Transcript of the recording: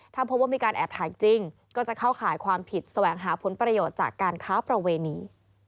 ถ้าพบว่ามีการแอบถ่ายจริงก็จะเข้าข่ายความผิดแสวงหาผลประโยชน์จากการค้าประเวณี